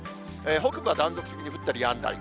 北部は断続的に降ったりやんだり。